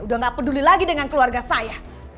udah gak peduli lagi dengan keluarga saya